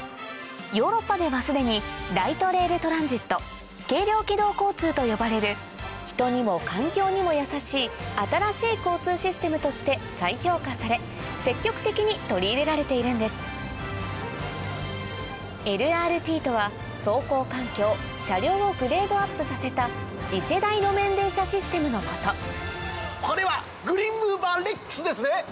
ヨーロッパではすでにと呼ばれる人にも環境にも優しい新しい交通システムとして再評価され積極的に取り入れられているんですＬＲＴとは走行環境車両をグレードアップさせた次世代路面電車システムのことこれはグリーンムーバーＬＥＸですね！